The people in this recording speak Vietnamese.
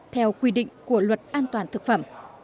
theo quy định của luật an toàn thực phẩm